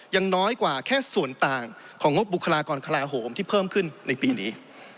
ยังน้อยกว่าแค่ส่วนต่างของงบบุคลากรกลาโหมที่เพิ่มขึ้นในปีนี้